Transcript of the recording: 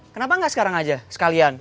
kenapa nggak sekarang aja sekalian